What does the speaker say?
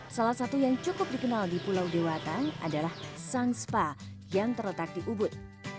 salah satu yang cukup dikenal di pulau dewata adalah sang spa yang terletak di ubud